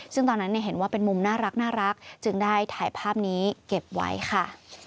ซึ่งตอนนั้นเห็นว่าเป็นมุมน่ารักจึงได้ถ่ายภาพนี้เก็บไว้ค่ะ